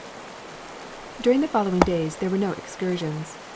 V During the following days there were no excursions.